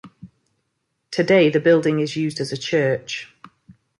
Today the building is used as a church.